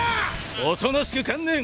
おとなしく観念！